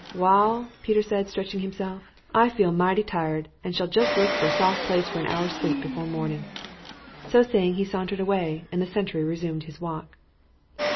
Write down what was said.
"Waal," Peter said, stretching himself, "I feel mighty tired and shall jest look for a soft place for an hour's sleep before morning." So saying he sauntered away, and the sentry resumed his walk.